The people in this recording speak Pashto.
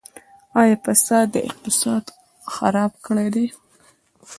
آیا فساد اقتصاد خراب کړی دی؟